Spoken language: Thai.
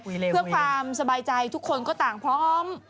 เพื่อความสบายใจทุกคนก็ต่างพร้อม